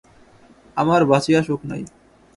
আমার বাঁচিয়া সুখ নাই।